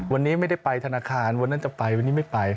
วันนี้ไม่ได้ไปธนาคารวันนั้นจะไปวันนี้ไม่ไป